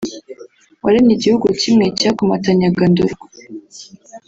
waremye igihugu kimwe cyakomatanyaga Ndorwa